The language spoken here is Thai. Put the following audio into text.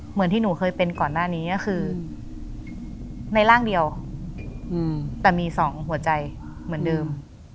เหมือนที่หนูเคยเป็นก่อนหน้านี้ก็คือในร่างเดียวแต่มีสองหัวใจเหมือนเดิม